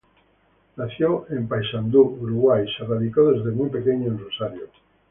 Nacido en Paysandú, Uruguay, se radicó desde muy pequeño en Rosario.